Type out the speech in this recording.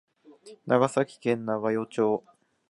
長崎県長与町